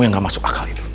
yang gak masuk akal itu